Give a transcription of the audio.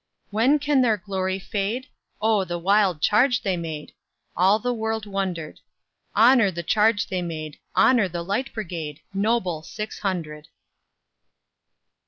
When can their glory fade? O the wild charge they made! All the world wonder'd. Honour the charge they made! Honour the Light Brigade, Noble six hundred!